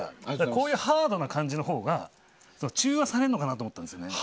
こういうハードな感じのほうが中和されるのかなと思ったんです。